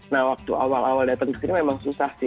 nah waktu awal awal datang ke sini memang susah sih